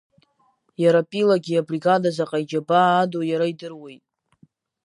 Иара Пилагьы абригада заҟа иџьабаа аду иара идыруеит.